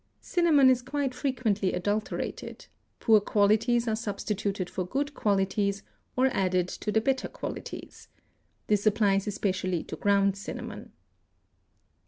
Cinnamon is quite frequently adulterated; poor qualities are substituted for good qualities or added to the better qualities. This applies especially to ground cinnamon.